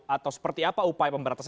atau seperti apa upaya pemberantasan